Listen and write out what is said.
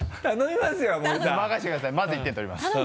まず１点取ります。